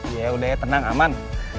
yaudah tenang aman